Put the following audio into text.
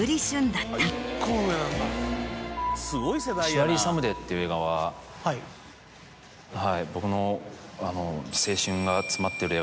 『シュアリー・サムデイ』っていう映画は僕の。